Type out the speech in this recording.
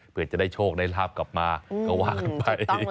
เพื่อจะได้โชคได้ลาบกลับมาก็ว่ากันไป